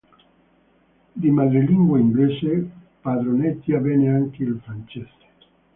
Di madrelingua inglese, padroneggia bene anche il francese.